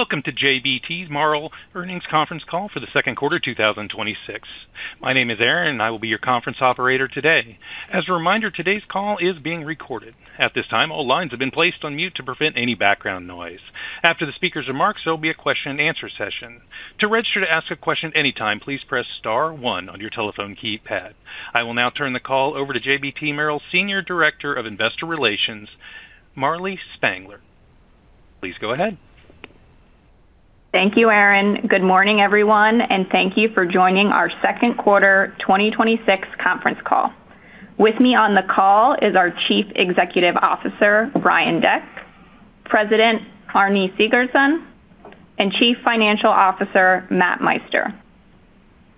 Welcome to JBT Marel's Earnings Conference Call for the second quarter of 2026. My name is Aaron, and I will be your conference operator today. As a reminder, today's call is being recorded. At this time, all lines have been placed on mute to prevent any background noise. After the speaker's remarks, there will be a question-and-answer session. To register to ask a question anytime, please press star one on your telephone keypad. I will now turn the call over to JBT Marel's Senior Director of Investor Relations, Marlee Spangler. Please go ahead. Thank you, Aaron. Good morning, everyone, and thank you for joining our second quarter 2026 conference call. With me on the call is our Chief Executive Officer, Brian Deck, President, Arni Sigurdsson, and Chief Financial Officer, Matt Meister.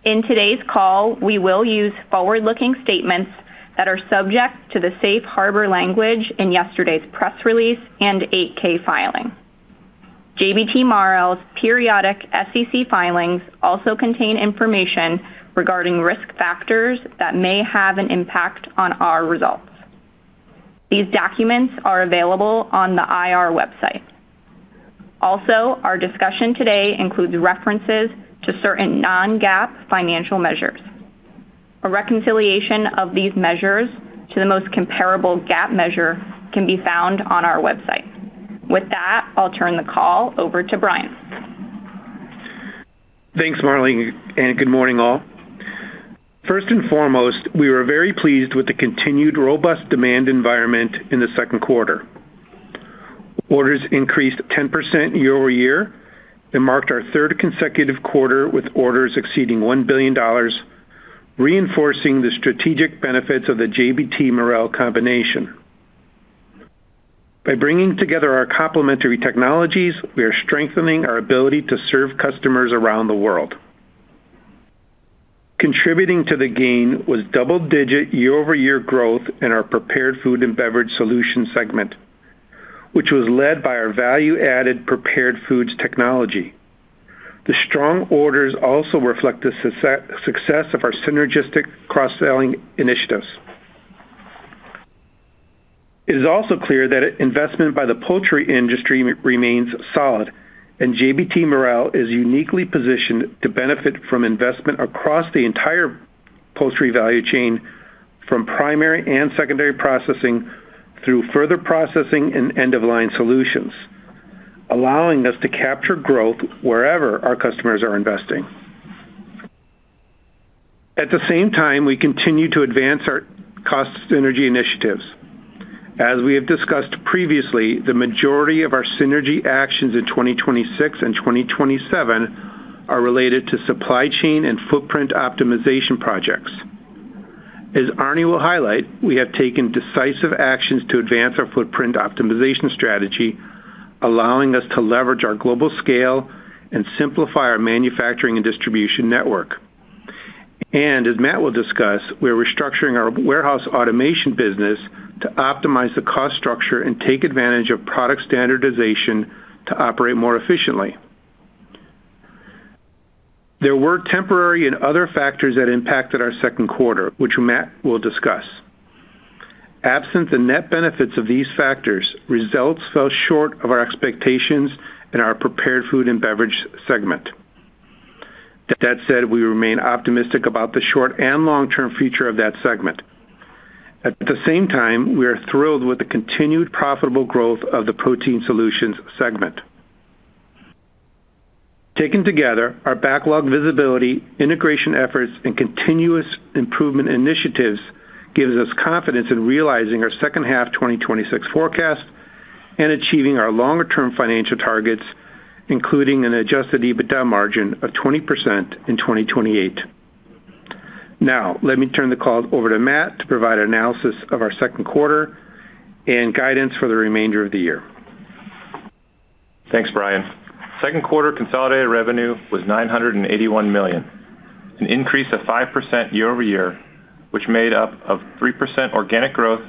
In today's call, we will use forward-looking statements that are subject to the safe harbor language in yesterday's press release and 8-K filing. JBT Marel's periodic SEC filings also contain information regarding risk factors that may have an impact on our results. These documents are available on the IR website. Our discussion today includes references to certain non-GAAP financial measures. A reconciliation of these measures to the most comparable GAAP measure can be found on our website. With that, I'll turn the call over to Brian. Thanks, Marlee, and good morning, all. First and foremost, we were very pleased with the continued robust demand environment in the second quarter. Orders increased 10% year-over-year and marked our third consecutive quarter with orders exceeding $1 billion, reinforcing the strategic benefits of the JBT Marel combination. By bringing together our complementary technologies, we are strengthening our ability to serve customers around the world. Contributing to the gain was double-digit year-over-year growth in our Prepared Food and Beverage Solutions segment, which was led by our value-added prepared foods technology. The strong orders also reflect the success of our synergistic cross-selling initiatives. It is also clear that investment by the poultry industry remains solid, JBT Marel is uniquely positioned to benefit from investment across the entire poultry value chain, from primary and secondary processing through further processing and end-of-line solutions, allowing us to capture growth wherever our customers are investing. At the same time, we continue to advance our cost synergy initiatives. As we have discussed previously, the majority of our synergy actions in 2026 and 2027 are related to supply chain and footprint optimization projects. As Arni will highlight, we have taken decisive actions to advance our footprint optimization strategy, allowing us to leverage our global scale and simplify our manufacturing and distribution network. As Matt will discuss, we're restructuring our warehouse automation business to optimize the cost structure and take advantage of product standardization to operate more efficiently. There were temporary and other factors that impacted our second quarter, which Matt will discuss. Absent the net benefits of these factors, results fell short of our expectations in our Prepared Food and Beverage Solutions segment. That said, we remain optimistic about the short and long-term future of that segment. At the same time, we are thrilled with the continued profitable growth of the Protein Solutions segment. Taken together, our backlog visibility, integration efforts, and continuous improvement initiatives gives us confidence in realizing our second half 2026 forecast and achieving our longer-term financial targets, including an adjusted EBITDA margin of 20% in 2028. Now, let me turn the call over to Matt to provide analysis of our second quarter and guidance for the remainder of the year. Thanks, Brian. Second quarter consolidated revenue was $981 million, an increase of 5% year-over-year, which made up of 3% organic growth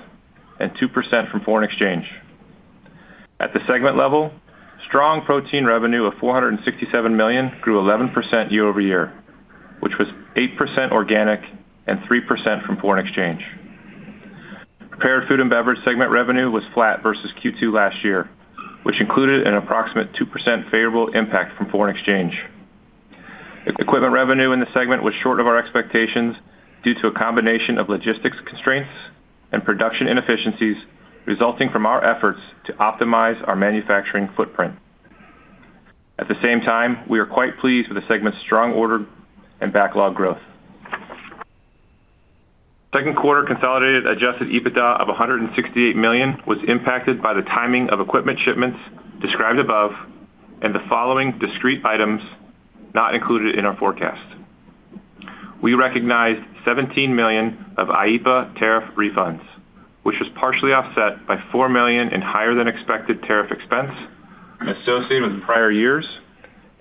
and 2% from foreign exchange. At the segment level, strong Protein Solutions revenue of $467 million grew 11% year-over-year, which was 8% organic and 3% from foreign exchange. Prepared Food and Beverage Solutions segment revenue was flat versus Q2 last year, which included an approximate 2% favorable impact from foreign exchange. Equipment revenue in the segment was short of our expectations due to a combination of logistics constraints and production inefficiencies resulting from our efforts to optimize our manufacturing footprint. At the same time, we are quite pleased with the segment's strong order and backlog growth. Second quarter consolidated adjusted EBITDA of $168 million was impacted by the timing of equipment shipments described above and the following discrete items not included in our forecast. We recognized $17 million of IEEPA tariff refunds, which was partially offset by $4 million in higher-than-expected tariff expense associated with prior years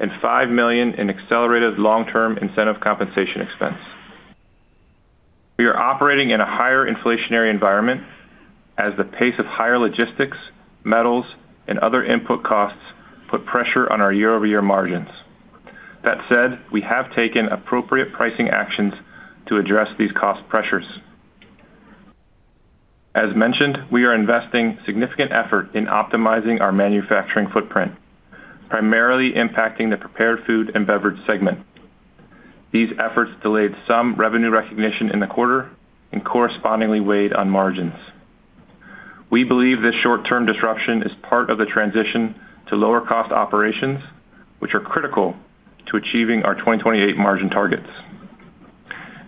and $5 million in accelerated long-term incentive compensation expense. We are operating in a higher inflationary environment as the pace of higher logistics, metals, and other input costs put pressure on our year-over-year margins. That said, we have taken appropriate pricing actions to address these cost pressures. As mentioned, we are investing significant effort in optimizing our manufacturing footprint, primarily impacting the Prepared Food and Beverage Solutions segment. These efforts delayed some revenue recognition in the quarter and correspondingly weighed on margins. We believe this short-term disruption is part of the transition to lower cost operations, which are critical to achieving our 2028 margin targets.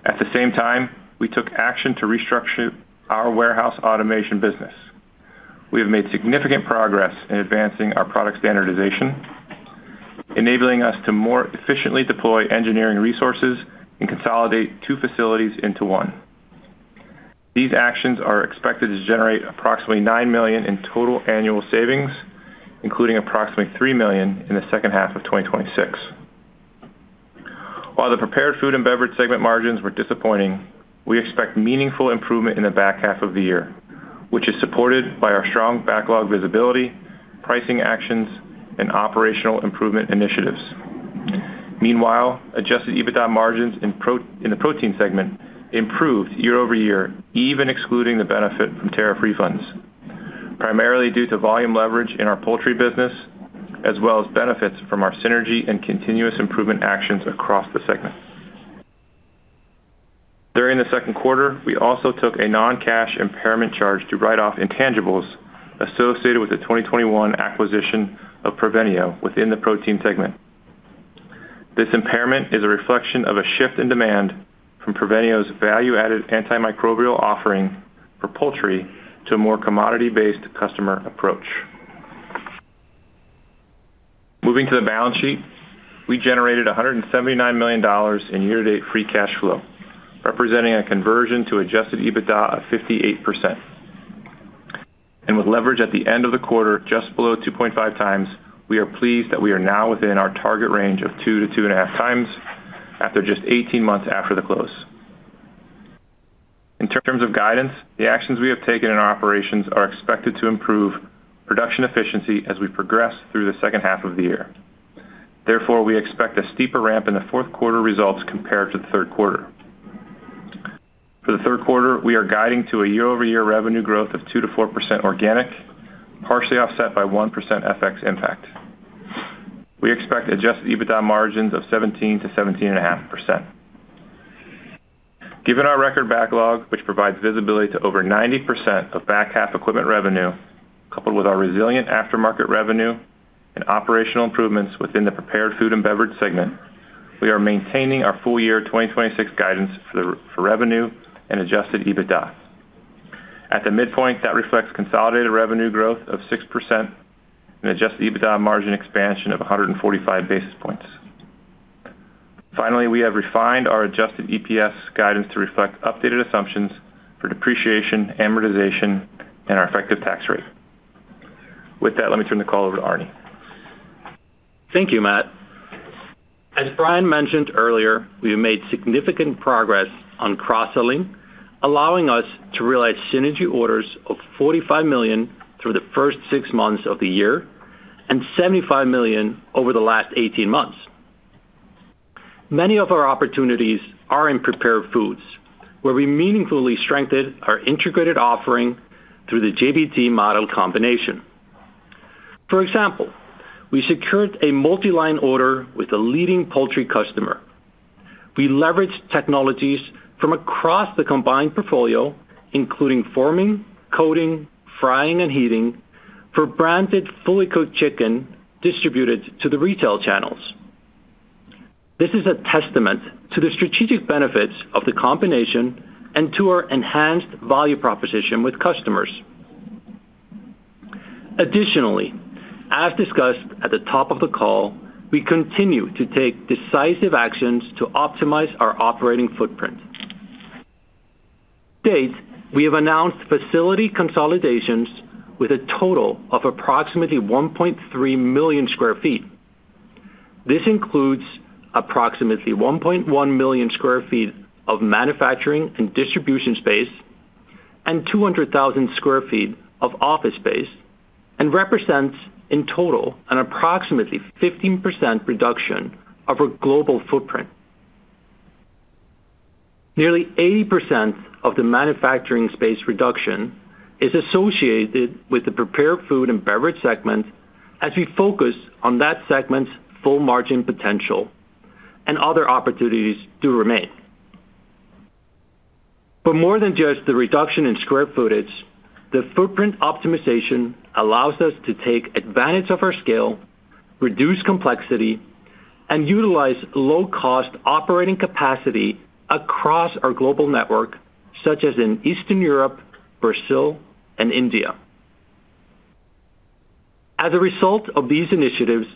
At the same time, we took action to restructure our warehouse automation business. We have made significant progress in advancing our product standardization, enabling us to more efficiently deploy engineering resources and consolidate two facilities into one. These actions are expected to generate approximately $9 million in total annual savings, including approximately $3 million in the second half of 2026. While the Prepared Food and Beverage Solutions segment margins were disappointing, we expect meaningful improvement in the back half of the year, which is supported by our strong backlog visibility, pricing actions, and operational improvement initiatives. Meanwhile, adjusted EBITDA margins in the Protein Solutions segment improved year-over-year, even excluding the benefit from tariff refunds, primarily due to volume leverage in our poultry business, as well as benefits from our synergy and continuous improvement actions across the segment. During the second quarter, we also took a non-cash impairment charge to write off intangibles associated with the 2021 acquisition of Provenio within the Protein Solutions segment. This impairment is a reflection of a shift in demand from Provenio's value-added antimicrobial offering for poultry to a more commodity-based customer approach. Moving to the balance sheet, we generated $179 million in year-to-date free cash flow, representing a conversion to adjusted EBITDA of 58%. With leverage at the end of the quarter just below 2.5x, we are pleased that we are now within our target range of 2x-2.5x after just 18 months after the close. In terms of guidance, the actions we have taken in our operations are expected to improve production efficiency as we progress through the second half of the year. Therefore, we expect a steeper ramp in the fourth quarter results compared to the third quarter. For the third quarter, we are guiding to a year-over-year revenue growth of 2%-4% organic, partially offset by 1% FX impact. We expect adjusted EBITDA margins of 17%-17.5%. Given our record backlog, which provides visibility to over 90% of back half equipment revenue, coupled with our resilient aftermarket revenue and operational improvements within the prepared food and beverage segment, we are maintaining our full year 2026 guidance for revenue and adjusted EBITDA. At the midpoint, that reflects consolidated revenue growth of 6% and adjusted EBITDA margin expansion of 145 basis points. Finally, we have refined our adjusted EPS guidance to reflect updated assumptions for depreciation, amortization, and our effective tax rate. With that, let me turn the call over to Arni. Thank you, Matt. As Brian mentioned earlier, we have made significant progress on cross-selling, allowing us to realize synergy orders of $45 million through the first six months of the year and $75 million over the last 18 months. Many of our opportunities are in prepared foods, where we meaningfully strengthened our integrated offering through the JBT Marel combination. For example, we secured a multi-line order with a leading poultry customer. We leveraged technologies from across the combined portfolio, including forming, coating, frying, and heating for branded fully cooked chicken distributed to the retail channels. This is a testament to the strategic benefits of the combination and to our enhanced value proposition with customers. Additionally, as discussed at the top of the call, we continue to take decisive actions to optimize our operating footprint. To date, we have announced facility consolidations with a total of approximately 1.3 million sq ft. This includes approximately 1.1 million sq ft of manufacturing and distribution space and 200,000 sq ft of office space and represents in total an approximately 15% reduction of our global footprint. Nearly 80% of the manufacturing space reduction is associated with the prepared food and beverage segment as we focus on that segment's full margin potential and other opportunities do remain. More than just the reduction in square footage, the footprint optimization allows us to take advantage of our scale, reduce complexity, and utilize low-cost operating capacity across our global network, such as in Eastern Europe, Brazil, and India. As a result of these initiatives,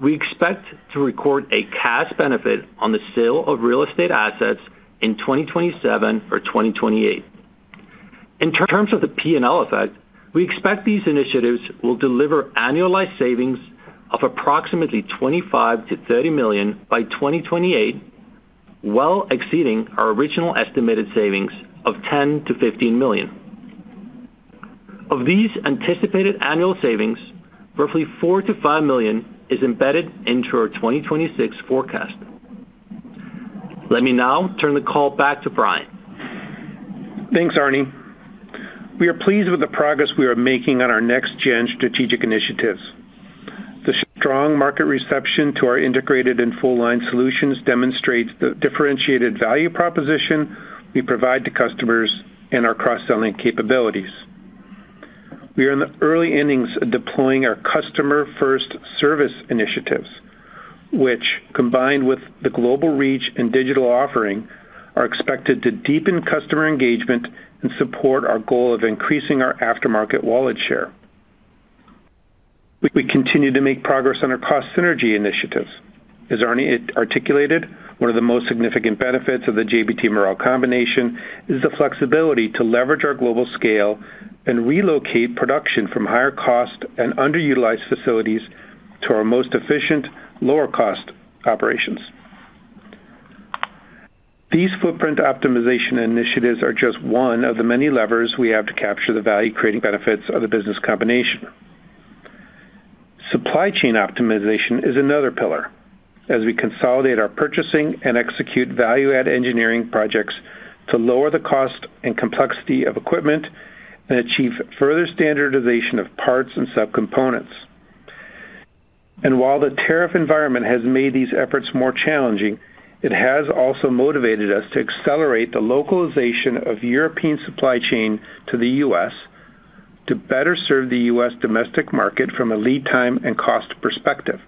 we expect to record a cash benefit on the sale of real estate assets in 2027 or 2028. In terms of the P&L effect, we expect these initiatives will deliver annualized savings of approximately $25 million-$30 million by 2028, well exceeding our original estimated savings of $10 million-$15 million. Of these anticipated annual savings, roughly $4 million-$5 million is embedded into our 2026 forecast. Let me now turn the call back to Brian. Thanks, Arni. We are pleased with the progress we are making on our next-gen strategic initiatives. The strong market reception to our integrated and full line solutions demonstrates the differentiated value proposition we provide to customers and our cross-selling capabilities. We are in the early innings of deploying our customer-first service initiatives, which, combined with the global reach and digital offering, are expected to deepen customer engagement and support our goal of increasing our aftermarket wallet share. We continue to make progress on our cost synergy initiatives. As Arni articulated, one of the most significant benefits of the JBT Marel combination is the flexibility to leverage our global scale and relocate production from higher cost and underutilized facilities to our most efficient, lower cost operations. These footprint optimization initiatives are just one of the many levers we have to capture the value-creating benefits of the business combination. Supply chain optimization is another pillar as we consolidate our purchasing and execute value-add engineering projects to lower the cost and complexity of equipment and achieve further standardization of parts and subcomponents. While the tariff environment has made these efforts more challenging, it has also motivated us to accelerate the localization of European supply chain to the U.S. to better serve the U.S. domestic market from a lead time and cost perspective.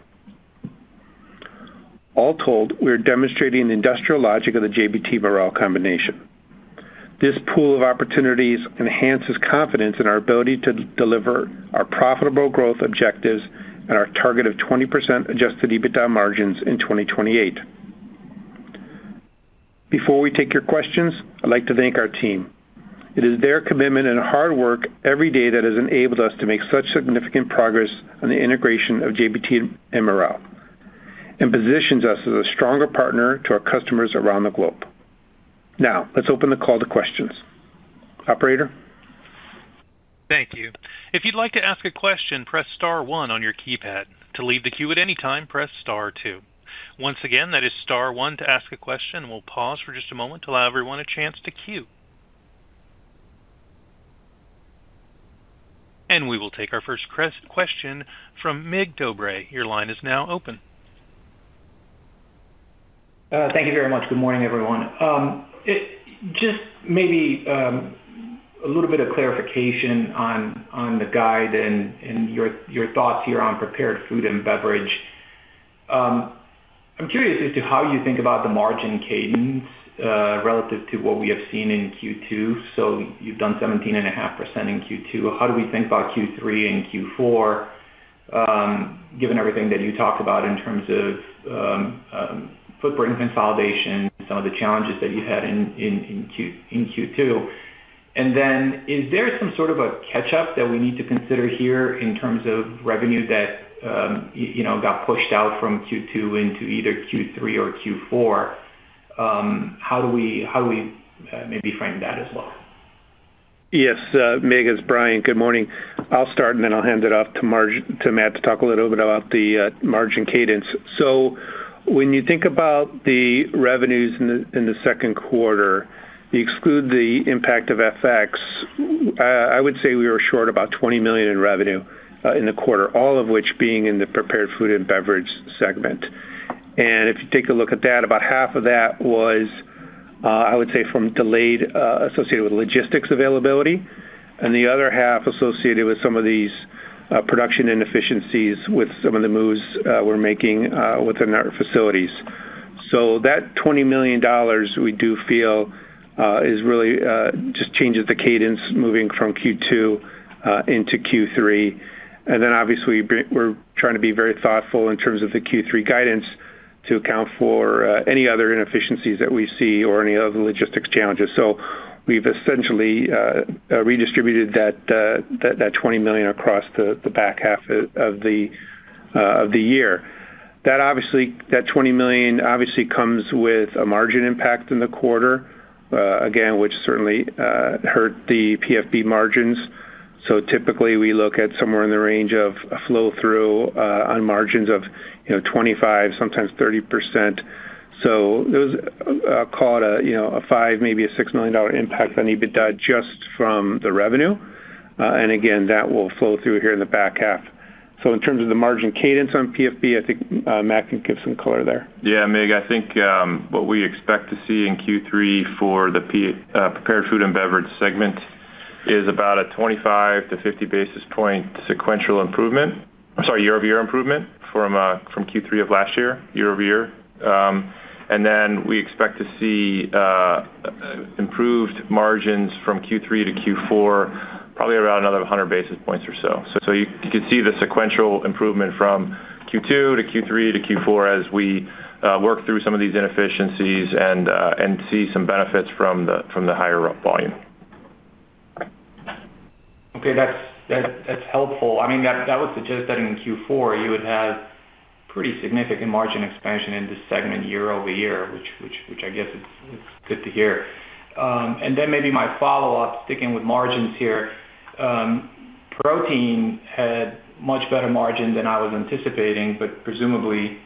All told, we are demonstrating the industrial logic of the JBT Marel combination. This pool of opportunities enhances confidence in our ability to deliver our profitable growth objectives and our target of 20% adjusted EBITDA margins in 2028. Before we take your questions, I'd like to thank our team. It is their commitment and hard work every day that has enabled us to make such significant progress on the integration of JBT and Marel and positions us as a stronger partner to our customers around the globe. Let's open the call to questions. Operator? Thank you. If you'd like to ask a question, press star one on your keypad. To leave the queue at any time, press star two. Once again, that is star one to ask a question, we'll pause for just a moment to allow everyone a chance to queue. We will take our first question from Mircea Dobre. Your line is now open. Thank you very much. Good morning, everyone. Just maybe a little bit of clarification on the guide and your thoughts here on Prepared Food and Beverage. I'm curious as to how you think about the margin cadence relative to what we have seen in Q2. You've done 17.5% in Q2. How do we think about Q3 and Q4, given everything that you talked about in terms of footprint consolidation and some of the challenges that you had in Q2? Then is there some sort of a catch-up that we need to consider here in terms of revenue that got pushed out from Q2 into either Q3 or Q4? How do we maybe frame that as well? Yes. Mig, it's Brian. Good morning. I'll start, then I'll hand it off to Matt to talk a little bit about the margin cadence. When you think about the revenues in the second quarter, you exclude the impact of FX, I would say we were short about $20 million in revenue in the quarter, all of which being in the Prepared Food and Beverage segment. If you take a look at that, about half of that was, I would say, from delayed, associated with logistics availability, and the other half associated with some of these production inefficiencies with some of the moves we're making within our facilities. That $20 million we do feel just changes the cadence moving from Q2 into Q3. Then obviously, we're trying to be very thoughtful in terms of the Q3 guidance to account for any other inefficiencies that we see or any other logistics challenges. We've essentially redistributed that $20 million across the back half of the year. That $20 million obviously comes with a margin impact in the quarter, again, which certainly hurt the PFB margins. Typically, we look at somewhere in the range of a flow-through on margins of 25%, sometimes 30%. Those call it a $5 million, maybe a $6 million impact on EBITDA just from the revenue. Again, that will flow through here in the back half. In terms of the margin cadence on PFB, I think Matt can give some color there. Yeah, Mig, I think what we expect to see in Q3 for the Prepared Food and Beverage segment is about a 25 to 50 basis point sequential improvement. I'm sorry, year-over-year improvement from Q3 of last year-over-year. We expect to see improved margins from Q3 to Q4, probably around another 100 basis points or so. You could see the sequential improvement from Q2 to Q3 to Q4 as we work through some of these inefficiencies and see some benefits from the higher up volume. Okay, that's helpful. That would suggest that in Q4, you would have pretty significant margin expansion in this segment year-over-year, which I guess it's good to hear. Maybe my follow-up, sticking with margins here. Protein had much better margin than I was anticipating, but presumably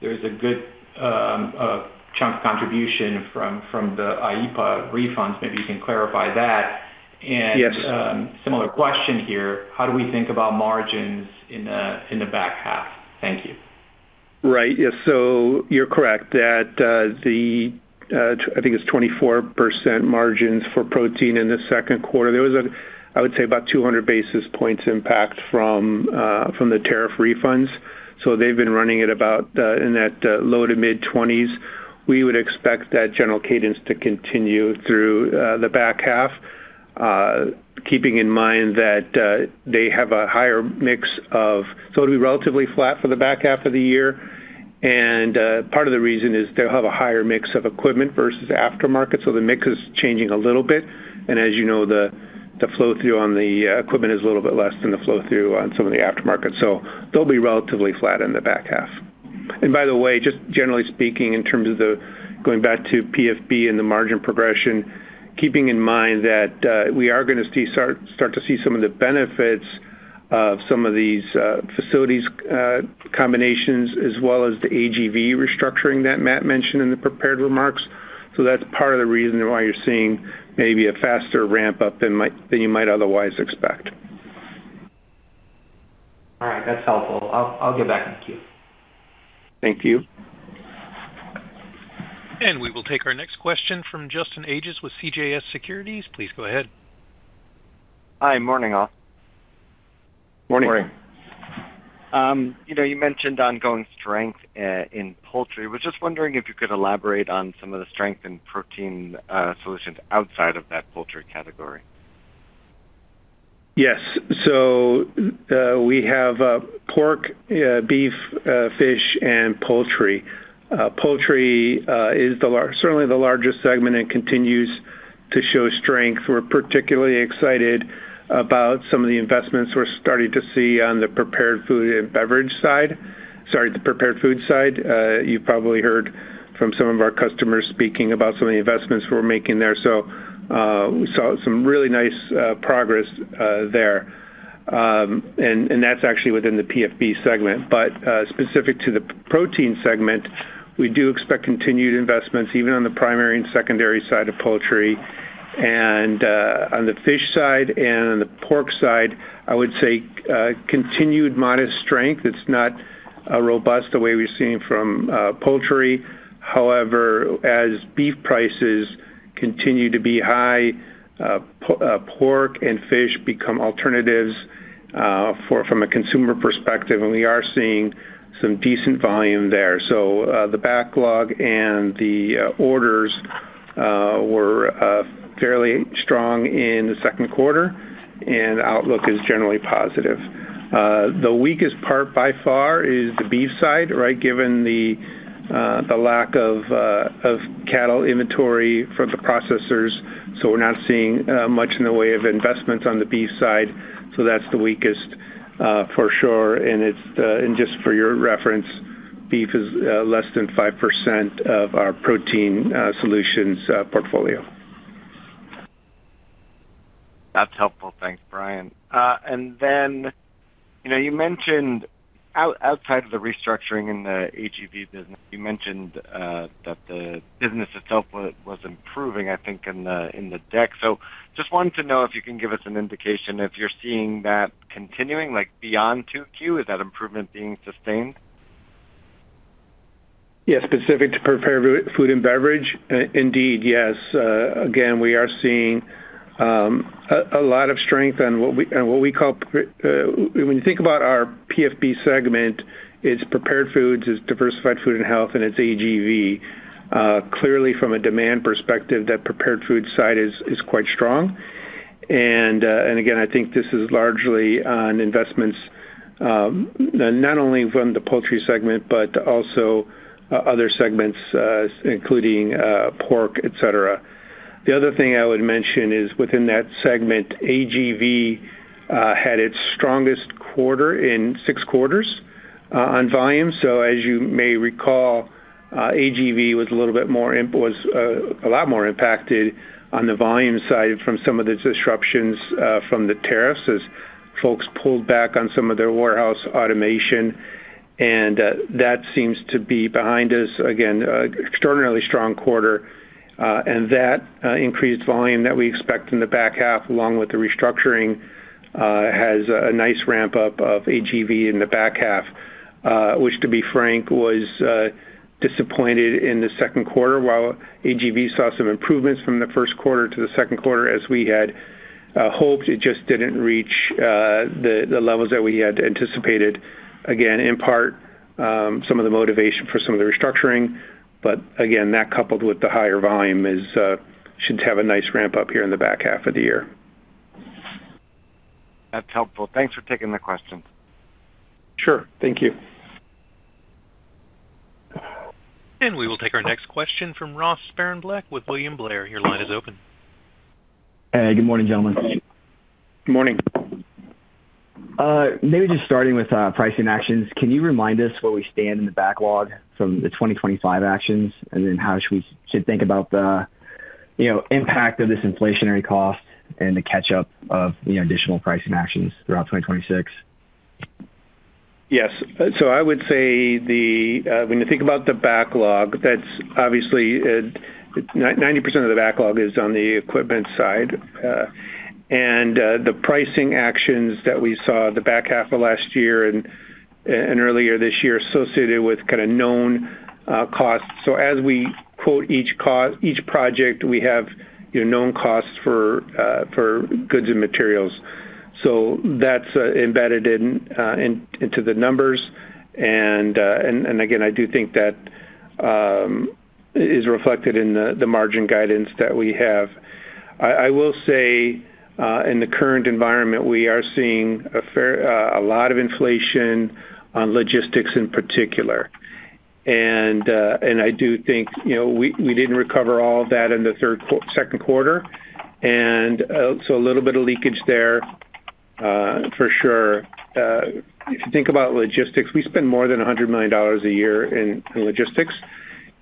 there's a good chunk of contribution from the IEEPA tariff refunds. Maybe you can clarify that. Yes. Similar question here, how do we think about margins in the back half? Thank you. Right. Yeah. You're correct that the, I think it's 24% margins for protein in the second quarter. There was, I would say about 200 basis points impact from the tariff refunds. They've been running at about in that low to mid-20s. We would expect that general cadence to continue through the back half, keeping in mind that they have a higher mix, so it'll be relatively flat for the back half of the year. Part of the reason is they'll have a higher mix of equipment versus aftermarket. The mix is changing a little bit. As you know, the flow-through on the equipment is a little bit less than the flow-through on some of the aftermarket. They'll be relatively flat in the back half. By the way, just generally speaking, in terms of going back to PFB and the margin progression, keeping in mind that we are going to start to see some of the benefits of some of these facilities combinations, as well as the AGV restructuring that Matt mentioned in the prepared remarks. That's part of the reason why you're seeing maybe a faster ramp-up than you might otherwise expect. All right. That's helpful. I'll get back in the queue. Thank you. We will take our next question from Justin Ages with CJS Securities. Please go ahead. Hi, morning all. Morning. Morning. You mentioned ongoing strength in poultry. I was just wondering if you could elaborate on some of the strength in protein solutions outside of that poultry category. Yes. We have pork, beef, fish, and poultry. Poultry is certainly the largest segment and continues to show strength. We're particularly excited about some of the investments we're starting to see on the Prepared Food and Beverage side. Sorry, the Prepared Food side. You probably heard from some of our customers speaking about some of the investments we're making there. We saw some really nice progress there. That's actually within the PFB segment. Specific to the protein segment, we do expect continued investments even on the primary and secondary side of poultry. On the fish side and on the pork side, I would say, continued modest strength. It's not robust the way we've seen from poultry. However, as beef prices continue to be high, pork and fish become alternatives from a consumer perspective, and we are seeing some decent volume there. The backlog and the orders were fairly strong in the second quarter, and outlook is generally positive. The weakest part, by far, is the beef side, given the lack of cattle inventory for the processors. We're not seeing much in the way of investments on the beef side. That's the weakest for sure. Just for your reference, beef is less than 5% of our protein solutions portfolio. That's helpful. Thanks, Brian. You mentioned outside of the restructuring in the AGV business, you mentioned that the business itself was improving, I think, in the deck. Just wanted to know if you can give us an indication if you're seeing that continuing, like beyond 2Q, is that improvement being sustained? Yeah, specific to prepared food and beverage, indeed, yes. Again, we are seeing a lot of strength in when you think about our PFB segment, it's prepared foods, it's diversified food and health, and it's AGV. Clearly from a demand perspective, that prepared food side is quite strong. Again, I think this is largely on investments, not only from the poultry segment, but also other segments, including pork, et cetera. The other thing I would mention is within that segment, AGV had its strongest quarter in six quarters on volume. As you may recall, AGV was a lot more impacted on the volume side from some of the disruptions from the tariffs as folks pulled back on some of their warehouse automation. That seems to be behind us. Again, extraordinarily strong quarter. That increased volume that we expect in the back half, along with the restructuring, has a nice ramp-up of AGV in the back half, which, to be frank, was disappointed in the second quarter. While AGV saw some improvements from the first quarter to the second quarter as we had hoped, it just didn't reach the levels that we had anticipated. Again, in part, some of the motivation for some of the restructuring. Again, that coupled with the higher volume should have a nice ramp-up here in the back half of the year. That's helpful. Thanks for taking the question. Sure. Thank you. We will take our next question from Ross Sparenblek with William Blair. Your line is open. Hey, good morning, gentlemen. Good morning. Maybe just starting with pricing actions. Can you remind us where we stand in the backlog from the 2025 actions? How should we think about the impact of this inflationary cost and the catch-up of additional pricing actions throughout 2026? Yes. I would say when you think about the backlog, that's obviously 90% of the backlog is on the equipment side. The pricing actions that we saw the back half of last year and earlier this year associated with kind of known costs. As we quote each project, we have known costs for goods and materials. That's embedded into the numbers. Again, I do think that is reflected in the margin guidance that we have. I will say in the current environment, we are seeing a lot of inflation on logistics in particular. I do think we didn't recover all of that in the second quarter. A little bit of leakage there for sure. If you think about logistics, we spend more than $100 million a year in logistics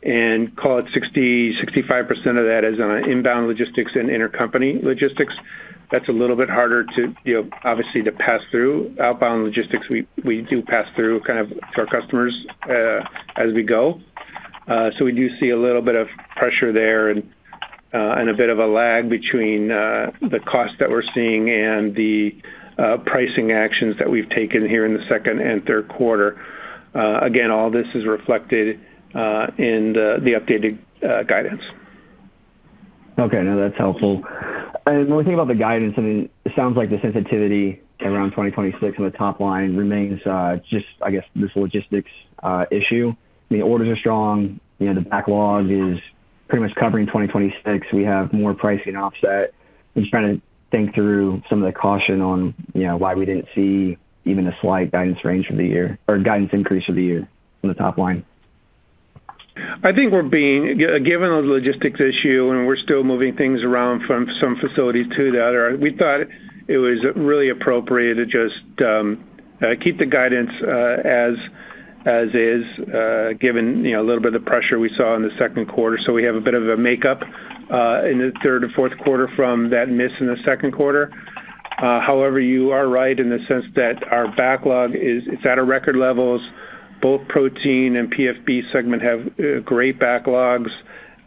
and call it 60%-65% of that is on inbound logistics and intercompany logistics. That's a little bit harder to obviously pass through. Outbound logistics, we do pass through kind of to our customers as we go. We do see a little bit of pressure there and a bit of a lag between the cost that we're seeing and the pricing actions that we've taken here in the second and third quarter. Again, all this is reflected in the updated guidance. Okay. No, that's helpful. When we think about the guidance, I mean, it sounds like the sensitivity around 2026 on the top line remains just, I guess, this logistics issue. The orders are strong. The backlog is pretty much covering 2026. We have more pricing offset. I'm just trying to think through some of the caution on why we didn't see even a slight guidance range for the year or guidance increase for the year on the top line. I think given the logistics issue and we're still moving things around from some facilities to the other, we thought it was really appropriate to just keep the guidance as is given a little bit of pressure we saw in the second quarter. We have a bit of a makeup in the third or fourth quarter from that miss in the second quarter. However, you are right in the sense that our backlog is at a record levels. Both protein and PFB segment have great backlogs.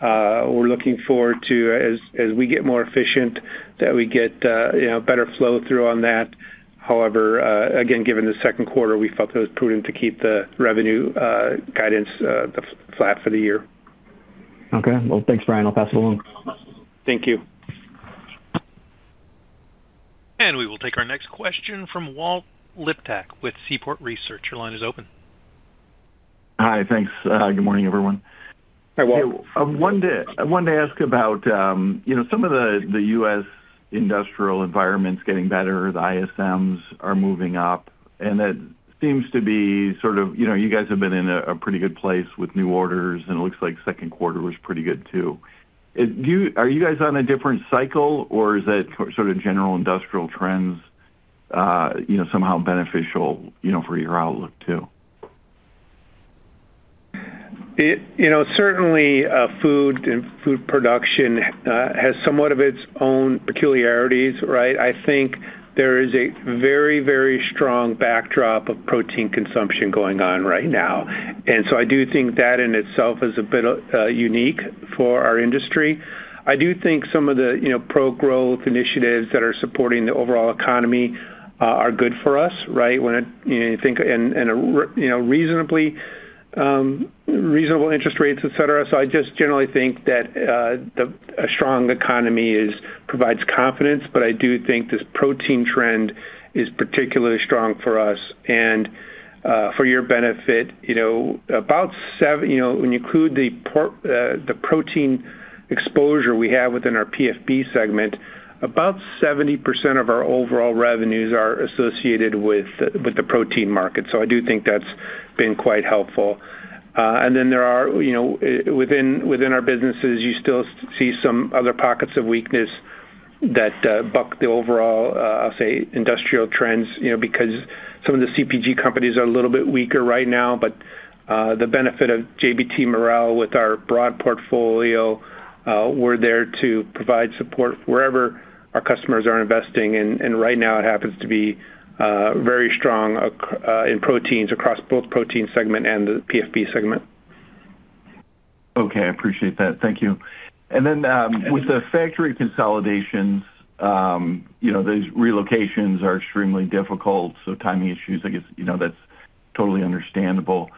We're looking forward to, as we get more efficient, that we get better flow through on that. However, again, given the second quarter, we felt it was prudent to keep the revenue guidance flat for the year. Okay. Well, thanks, Brian. I'll pass it along. Thank you. We will take our next question from Walt Liptak with Seaport Research. Your line is open. Hi. Thanks. Good morning, everyone. Hi, Walt. I wanted to ask about some of the U.S. industrial environment's getting better, the ISM are moving up, and that seems to be sort of you guys have been in a pretty good place with new orders, and it looks like second quarter was pretty good, too. Are you guys on a different cycle, or is that sort of general industrial trends somehow beneficial for your outlook, too? Certainly, food and food production has somewhat of its own peculiarities, right? I think there is a very, very strong backdrop of protein consumption going on right now. I do think that in itself is a bit unique for our industry. I do think some of the pro-growth initiatives that are supporting the overall economy are good for us, right? When you think and reasonable interest rates, et cetera. I just generally think that a strong economy provides confidence, but I do think this protein trend is particularly strong for us. For your benefit, when you include the protein exposure we have within our PFB segment, about 70% of our overall revenues are associated with the protein market. I do think that's been quite helpful. There are within our businesses, you still see some other pockets of weakness that buck the overall, I'll say, industrial trends because some of the CPG companies are a little bit weaker right now, but the benefit of JBT Marel with our broad portfolio, we're there to provide support wherever our customers are investing in. Right now it happens to be very strong in proteins across both protein segment and the PFB segment. Okay. I appreciate that. Thank you. Then with the factory consolidations, those relocations are extremely difficult. Timing issues, I guess that's totally understandable.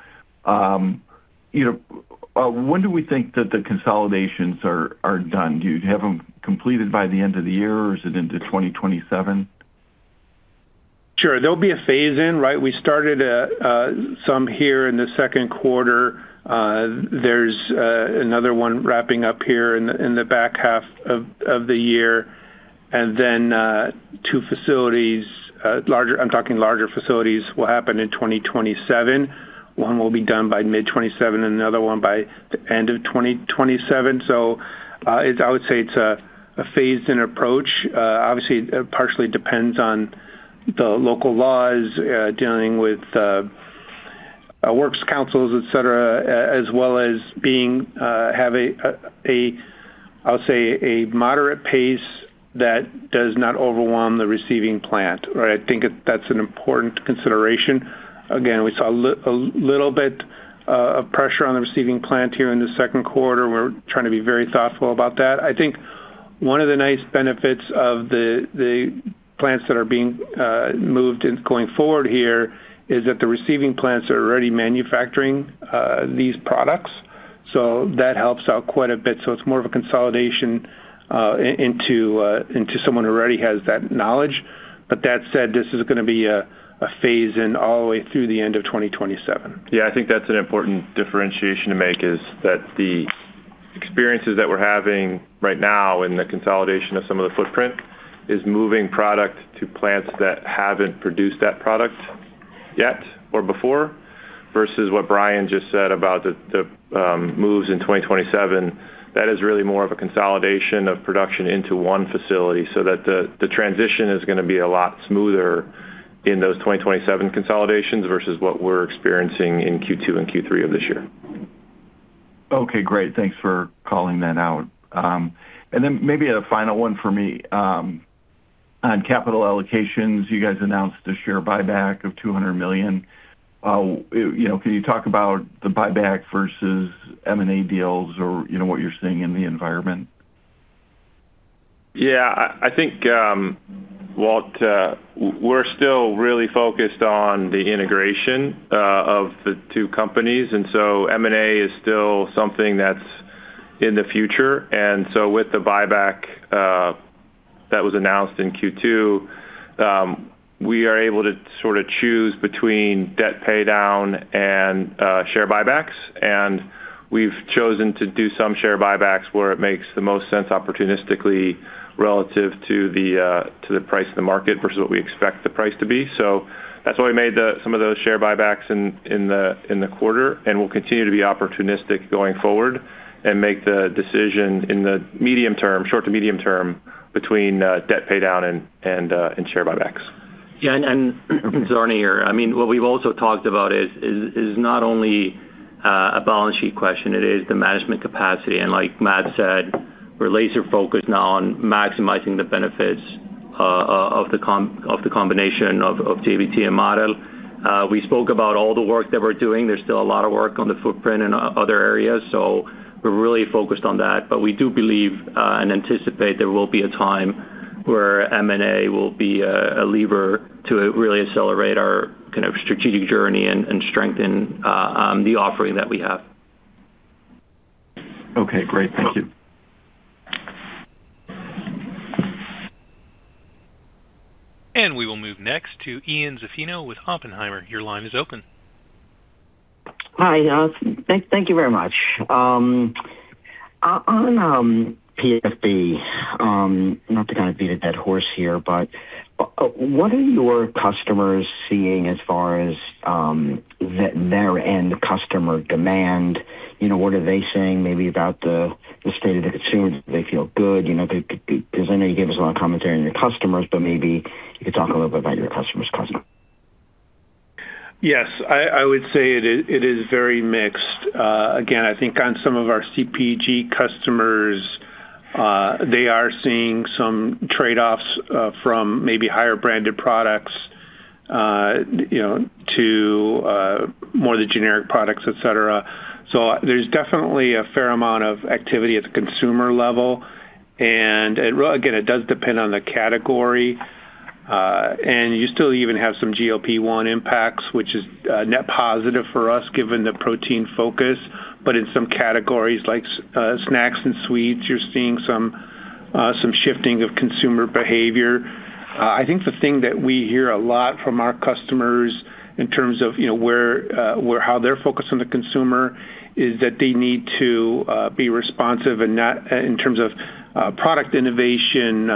When do we think that the consolidations are done? Do you have them completed by the end of the year, or is it into 2027? Sure. There'll be a phase in, right? We started some here in the second quarter. There's another one wrapping up here in the back half of the year. Then Two facilities, I'm talking larger facilities, will happen in 2027. One will be done by mid 2027 and another one by the end of 2027. I would say it's a phased-in approach. Obviously, it partially depends on the local laws dealing with works councils, et cetera, as well as have, I'll say, a moderate pace that does not overwhelm the receiving plant. I think that's an important consideration. Again, we saw a little bit of pressure on the receiving plant here in the second quarter. We're trying to be very thoughtful about that. I think one of the nice benefits of the plants that are being moved and going forward here is that the receiving plants are already manufacturing these products. That helps out quite a bit. It's more of a consolidation into someone who already has that knowledge. That said, this is going to be a phase in all the way through the end of 2027. I think that's an important differentiation to make, is that the experiences that we're having right now in the consolidation of some of the footprint is moving product to plants that haven't produced that product yet or before, versus what Brian just said about the moves in 2027. That is really more of a consolidation of production into one facility so that the transition is going to be a lot smoother in those 2027 consolidations versus what we're experiencing in Q2 and Q3 of this year. Okay, great. Thanks for calling that out. Maybe a final one for me. On capital allocations, you guys announced a share buyback of $200 million. Can you talk about the buyback versus M&A deals or what you're seeing in the environment? I think, Walt, we're still really focused on the integration of the two companies, M&A is still something that's in the future. With the buyback that was announced in Q2, we are able to sort of choose between debt paydown and share buybacks. We've chosen to do some share buybacks where it makes the most sense opportunistically relative to the price of the market versus what we expect the price to be. That's why we made some of those share buybacks in the quarter and will continue to be opportunistic going forward and make the decision in the short to medium term between debt paydown and share buybacks. Arni here. What we've also talked about is not only a balance sheet question, it is the management capacity. Like Matt said, we're laser focused now on maximizing the benefits of the combination of JBT and Marel. We spoke about all the work that we're doing. There's still a lot of work on the footprint in other areas, we're really focused on that. We do believe and anticipate there will be a time where M&A will be a lever to really accelerate our strategic journey and strengthen the offering that we have. Okay, great. Thank you. We will move next to Ian Zaffino with Oppenheimer. Your line is open. Hi, thank you very much. On PFB, not to kind of beat a dead horse here, what are your customers seeing as far as their end customer demand? What are they saying maybe about the state of the consumer? Do they feel good? I know you gave us a lot of commentary on your customers, but maybe you could talk a little bit about your customer's customer. Yes, I would say it is very mixed. Again, I think on some of our CPG customers, they are seeing some trade-offs from maybe higher branded products to more the generic products, et cetera. There's definitely a fair amount of activity at the consumer level. Again, it does depend on the category. You still even have some GLP-1 impacts, which is net positive for us given the protein focus. In some categories like snacks and sweets, you're seeing some shifting of consumer behavior. I think the thing that we hear a lot from our customers in terms of how they're focused on the consumer is that they need to be responsive in terms of product innovation,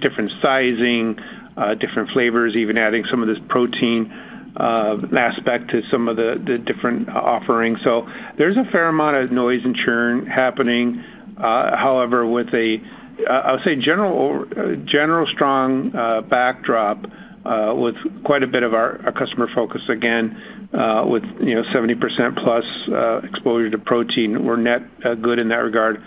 different sizing, different flavors, even adding some of this protein aspect to some of the different offerings. There's a fair amount of noise and churn happening. With a general strong backdrop with quite a bit of our customer focus, again, with 70%+ exposure to protein, we're net good in that regard.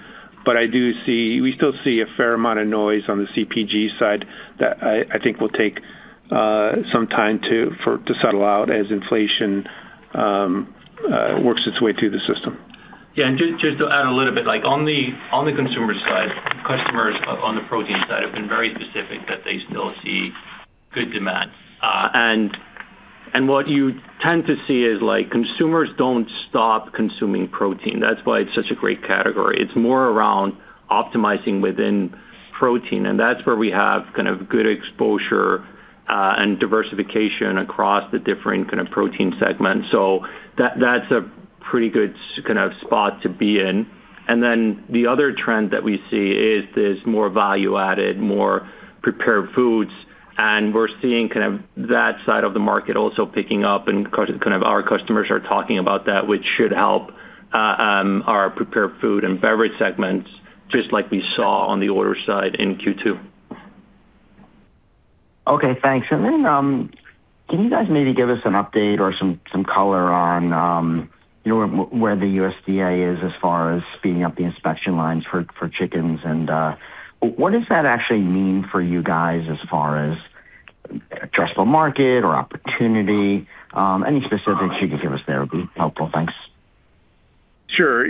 We still see a fair amount of noise on the CPG side that I think will take some time to settle out as inflation works its way through the system. Yeah, just to add a little bit, on the consumer side, customers on the protein side have been very specific that they still see good demand. What you tend to see is consumers don't stop consuming protein. That's why it's such a great category. It's more around optimizing within protein, and that's where we have kind of good exposure and diversification across the different protein segments. That's a pretty good spot to be in. The other trend that we see is there's more value added, more prepared foods, and we're seeing that side of the market also picking up and our customers are talking about that, which should help our Prepared Food and Beverage segments, just like we saw on the order side in Q2. Okay, thanks. Can you guys maybe give us an update or some color on where the USDA is as far as speeding up the inspection lines for chickens? What does that actually mean for you guys as far as addressable market or opportunity? Any specifics you could give us there would be helpful. Thanks. Sure.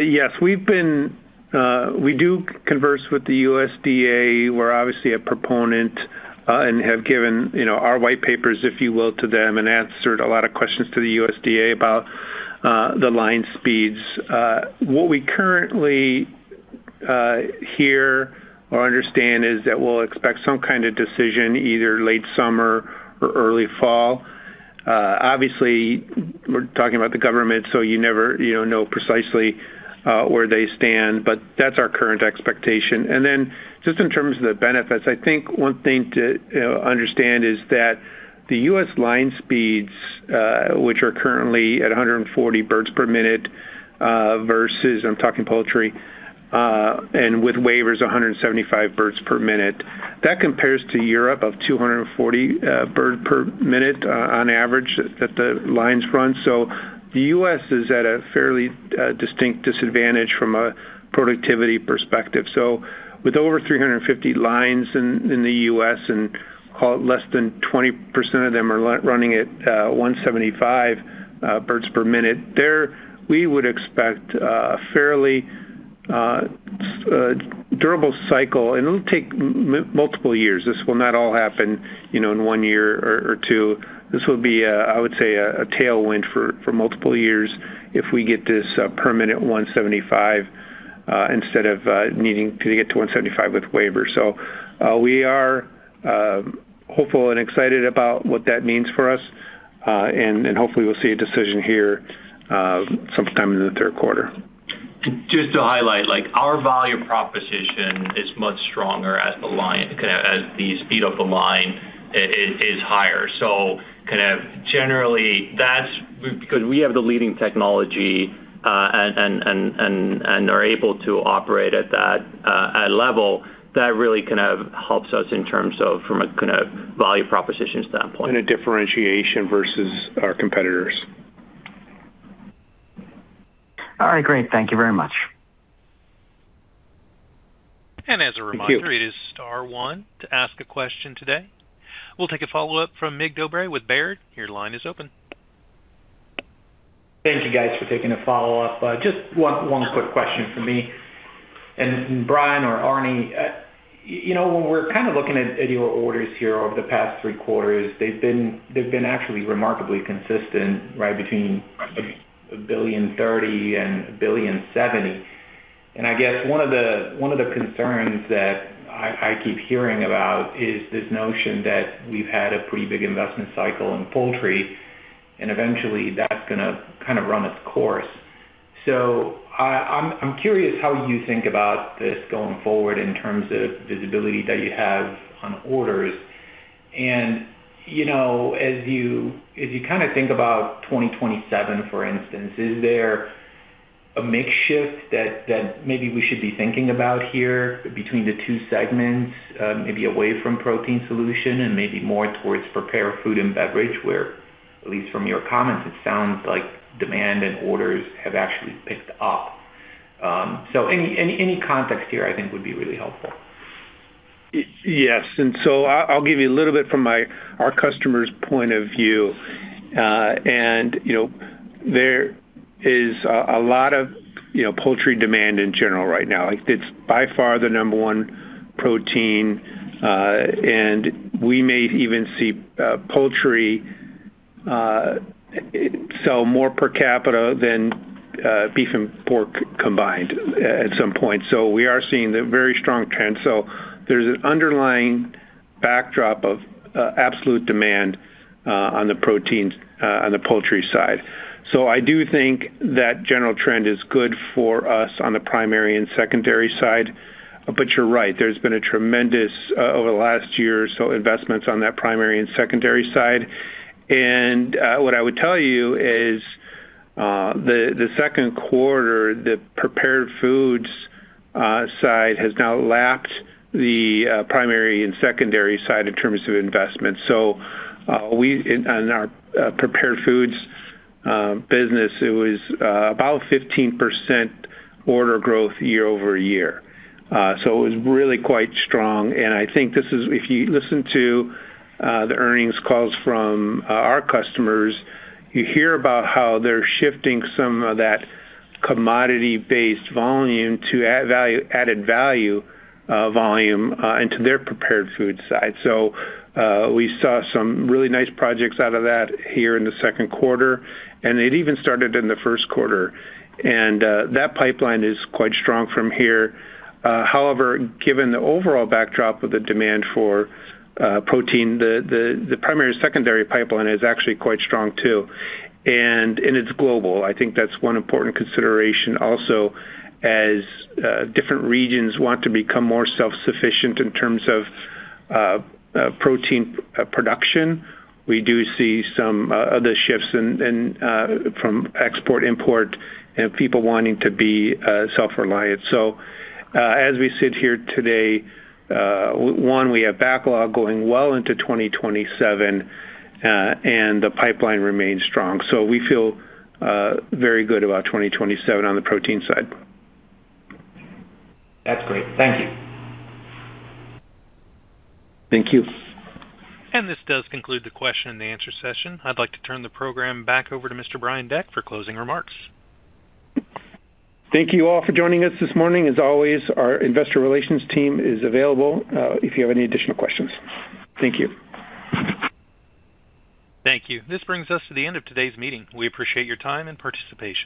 Yes, we do converse with the USDA. We're obviously a proponent and have given our white papers, if you will, to them and answered a lot of questions to the USDA about the line speeds. What we currently hear or understand is that we'll expect some kind of decision either late summer or early fall. Obviously, we're talking about the government, so you never know precisely where they stand. That's our current expectation. Just in terms of the benefits, I think one thing to understand is that the U.S. line speeds, which are currently at 140 birds per minute versus, I'm talking poultry, and with waivers, 175 birds per minute. That compares to Europe of 240 birds per minute on average that the lines run. The U.S. is at a fairly distinct disadvantage from a productivity perspective. With over 350 lines in the U.S. and less than 20% of them are running at 175 birds per minute, there we would expect a fairly durable cycle. It'll take multiple years. This will not all happen in one year or two. This will be, I would say, a tailwind for multiple years if we get this permanent 175 instead of needing to get to 175 with waivers. We are hopeful and excited about what that means for us. Hopefully we'll see a decision here sometime in the third quarter. Just to highlight, our value proposition is much stronger as the speed of the line is higher. Generally, because we have the leading technology and are able to operate at that level, that really helps us in terms of from a value proposition standpoint. A differentiation versus our competitors. All right. Great. Thank you very much. As a reminder, it is star one to ask a question today. We'll take a follow-up from Mircea Dobre with Baird. Your line is open. Thank you guys for taking a follow-up. Just one quick question from me. Brian or Arni, when we're looking at your orders here over the past three quarters, they've been actually remarkably consistent, between $1.03 billion and $1.07 billion. I guess one of the concerns that I keep hearing about is this notion that we've had a pretty big investment cycle in poultry, and eventually that's going to run its course. I'm curious how you think about this going forward in terms of visibility that you have on orders. As you think about 2027, for instance, is there a mix shift that maybe we should be thinking about here between the two segments, maybe away from protein solution and maybe more towards Prepared Food and Beverage, where, at least from your comments, it sounds like demand and orders have actually picked up? Any context here I think would be really helpful. Yes. I'll give you a little bit from our customer's point of view. There is a lot of poultry demand in general right now. It's by far the number one protein. We may even see poultry sell more per capita than beef and pork combined at some point. We are seeing the very strong trend. There's an underlying backdrop of absolute demand on the proteins on the poultry side. I do think that general trend is good for us on the primary and secondary side. You're right, there's been a tremendous, over the last year or so, investments on that primary and secondary side. What I would tell you is the second quarter, the Prepared Foods side has now lapped the primary and secondary side in terms of investments. On our prepared foods business, it was about 15% order growth year-over-year. It was really quite strong. I think if you listen to the earnings calls from our customers, you hear about how they're shifting some of that commodity-based volume to added value volume into their prepared food side. We saw some really nice projects out of that here in the second quarter, and it even started in the first quarter. That pipeline is quite strong from here. However, given the overall backdrop of the demand for protein, the primary and secondary pipeline is actually quite strong, too. It's global. I think that's one important consideration also as different regions want to become more self-sufficient in terms of protein production. We do see some other shifts from export, import, and people wanting to be self-reliant. As we sit here today, one, we have backlog going well into 2027. The pipeline remains strong. We feel very good about 2027 on the protein side. That's great. Thank you. Thank you. This does conclude the question-and-answer session. I'd like to turn the program back over to Mr. Brian Deck for closing remarks. Thank you all for joining us this morning. As always, our investor relations team is available if you have any additional questions. Thank you. Thank you. This brings us to the end of today's meeting. We appreciate your time and participation.